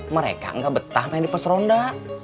mereka nggak betah main di peseronda